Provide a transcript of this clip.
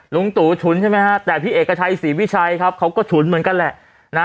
ลุงตู่ฉุนใช่ไหมฮะแต่พี่เอกชัยศรีวิชัยครับเขาก็ฉุนเหมือนกันแหละนะ